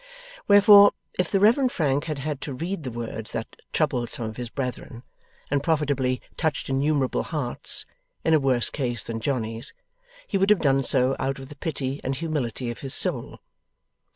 Wherefore, if the Reverend Frank had had to read the words that troubled some of his brethren, and profitably touched innumerable hearts, in a worse case than Johnny's, he would have done so out of the pity and humility of his soul.